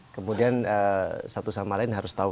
kemudian satu sama lain harus tahu